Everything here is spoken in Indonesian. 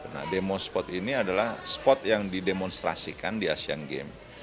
nah demo spot ini adalah spot yang didemonstrasikan di asian games